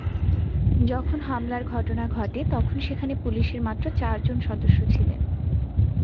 যখন হামলার ঘটনা ঘটে, তখন সেখানে পুলিশের মাত্র চারজন সদস্য ছিলেন।